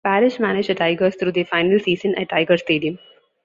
Parrish managed the Tigers through their final season at Tiger Stadium.